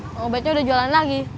om ubednya udah jualan lagi